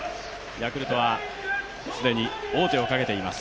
ヤクルトは既に王手をかけています。